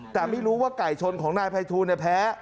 แต่ไม่รู้ว่าไก่ชนของนายไภทูลเนี่ยแพ้